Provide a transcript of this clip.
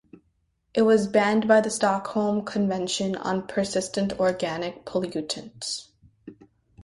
It was banned by the Stockholm Convention on Persistent Organic Pollutants.